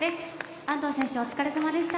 安藤選手、お疲れさまでした。